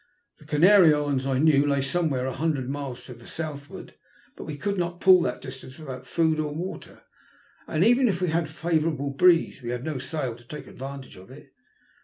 The Canary Islands, I knew, lay somewhere, say a hundred miles, to the southward, but we could not pull that distance without food or water, and even if we had a favourable breeze, we had no sail to take advantage of it.